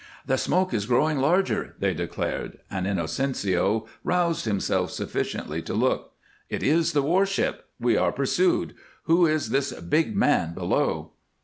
"The smoke is growing larger," they declared, and Inocencio roused himself sufficiently to look. "It is the war ship. We are pursued. Who is this big man below?"